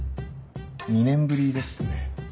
２年ぶりですね。